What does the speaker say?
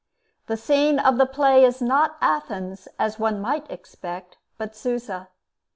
The scene of the play is not Athens, as one might expect, but Susa.